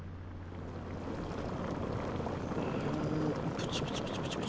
プチプチプチプチプチ。